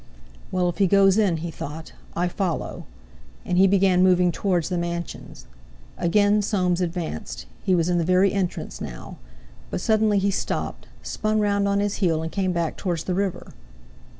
"Well, if he goes in," he thought, "I follow." And he began moving towards the mansions. Again Soames advanced; he was in the very entrance now. But suddenly he stopped, spun round on his heel, and came back towards the river.